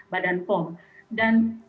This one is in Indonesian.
badan pom dan